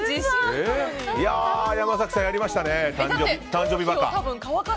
山崎さん、やりましたね誕生日馬鹿。